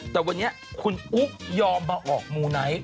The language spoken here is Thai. แต่วันนี้คุณอุ๊กยอมมาออกมูไนท์